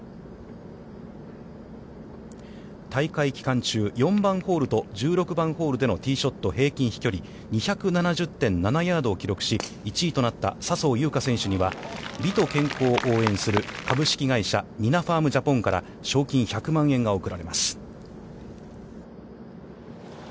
大会期間中、４番ホールと１６番ホールでのティーショット平均飛距離・ヤードを記録し、第１位となった笹生優花選手には美と健康を応援する株式会社ニナファームジャポンから賞金１００万円が贈られます。